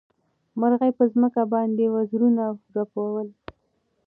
مرغۍ په ځمکه باندې وزرونه رپول.